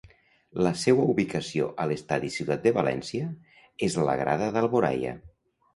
La seua ubicació a l'Estadi Ciutat de València és a la grada d'Alboraia.